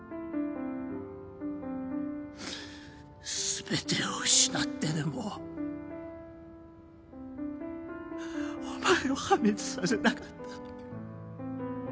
全てを失ってでもお前を破滅させたかった。